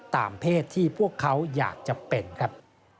ตามเพศที่พวกเขาอยากจะเป็นครับ